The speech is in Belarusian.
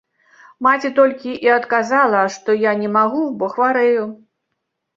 Маці толькі і адказала, што я не магу, бо хварэю.